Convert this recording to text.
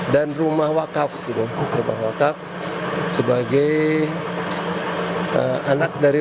dan rumah waqaf rumah waqaf sebagai anak dari rumah jakarta